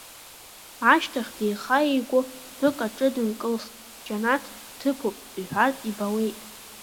Ашьҭахь деиха-еигәо дәык аҿы дынкылсхт, џьанаҭ ҭыԥуп иҳәартә ибауеит.